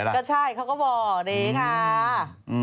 ก็ใช่เขาก็บอกนี่ไง